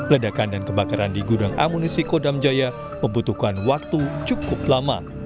ledakan dan kebakaran di gudang amunisi kodam jaya membutuhkan waktu cukup lama